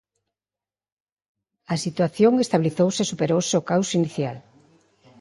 A situación estabilizouse e superouse o caos inicial.